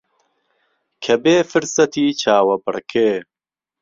کە بێ فرسەتی چاوەبڕکێ